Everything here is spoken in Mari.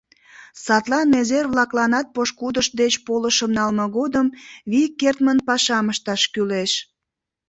Садлан незер-влакланат пошкудышт деч полышым налме годым вий кертмын пашам ышташ кӱлеш.